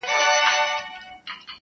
• کشپ نه لري داهسي کمالونه -